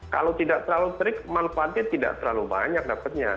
kalau tidak terlalu terik manfaatnya tidak terlalu banyak dapatnya